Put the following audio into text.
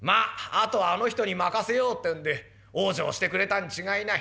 あとはあの人に任せようってんで往生してくれたに違いない。